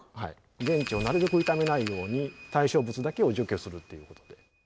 現地をなるべく傷めないように対象物だけを除去するっていうことで。